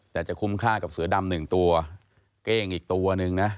แต่จะคุ้มค่ากับเสือดำหนึ่งตัวเก้งอีกตัวหนึ่งนะ